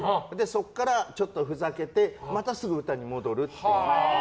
そこからちょっとふざけてまたすぐ歌に戻るっていう。